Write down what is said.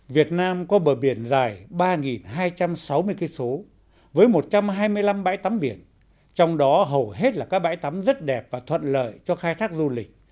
việt nam có bờ biển dài ba hai trăm sáu mươi km với một trăm hai mươi năm bãi tắm biển trong đó hầu hết là các bãi tắm rất đẹp và thuận lợi cho khai thác du lịch